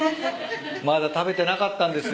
まだ食べてなかったんですよ。